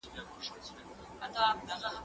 زه نان نه خورم!.